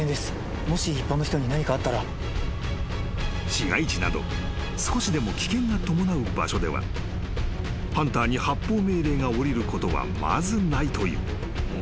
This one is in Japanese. ［市街地など少しでも危険が伴う場所ではハンターに発砲命令が下りることはまずないという］